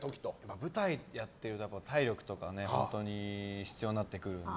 舞台やってると体力とか必要になってくるので。